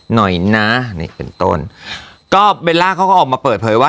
หน่อยนะนี่เป็นต้นก็เบลล่าเขาก็ออกมาเปิดเผยว่า